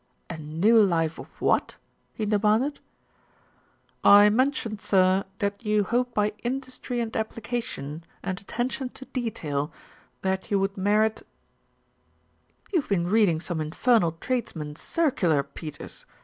"A new life of what?" he demanded. "I mentioned, sir, that you hoped by industry and application and attention to detail, that you would merit " "You've been reading some infernal tradesman's circular, Peters.